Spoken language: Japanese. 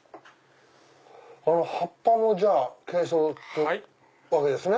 葉っぱも珪藻ってわけですね。